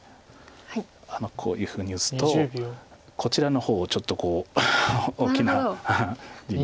こういうふうに打つとこちらの方をちょっと大きな地に。